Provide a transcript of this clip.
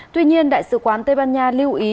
tuy nhiên đại sứ quán tây ban nha lưu ý